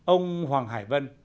ông hoàng hải vân